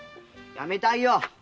辞めたいよ